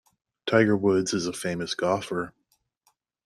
Tiger Woods is a famous golfer.